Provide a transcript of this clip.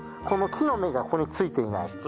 この木の目がここについていない。